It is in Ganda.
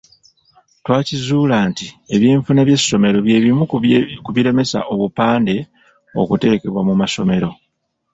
Twakizuula nti ebyenfuna by’essomero bye bimu ku biremesa obupande okutekebwa mu masomero.